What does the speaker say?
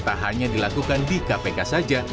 tak hanya dilakukan di kpk saja